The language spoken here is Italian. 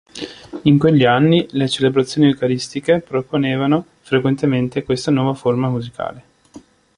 In quegli anni, le celebrazioni eucaristiche proponevano frequentemente questa nuova forma musicale.